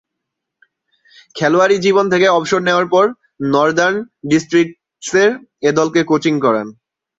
খেলোয়াড়ী জীবন থেকে অবসর নেয়ার পর নর্দার্ন ডিস্ট্রিক্টসের এ-দলকে কোচিং করান।